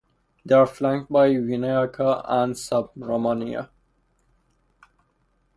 They are flanked by Vinayaka and Subramania.